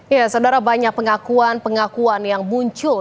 ya saudara banyak pengakuan pengakuan yang muncul